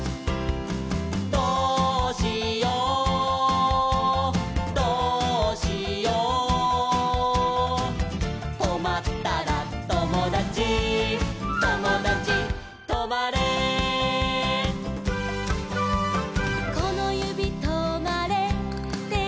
「どうしようどうしよう」「とまったらともだちともだちとまれ」「このゆびとまれっていったら」